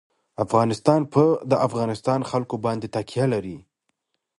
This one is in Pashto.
افغانستان په د افغانستان جلکو باندې تکیه لري.